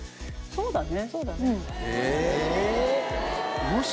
そうだね。